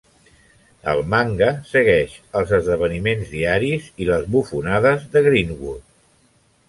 El manga segueix els esdeveniments diaris i les bufonades de Greenwood.